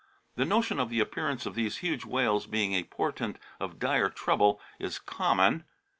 The notion of the appearance of these huge whales being a portent of dire trouble is common.